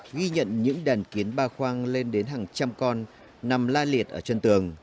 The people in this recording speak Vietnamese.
ghi nhận những đàn kiến ba khoang lên đến hàng trăm con nằm la liệt ở chân tường